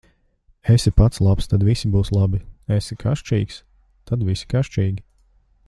Esi pats labs, tad visi būs labi; esi kašķīgs, tad visi kašķīgi.